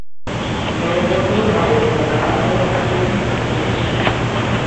দলবদ্ধভাবে এরা বাঘ ও হাতি শিকার করে।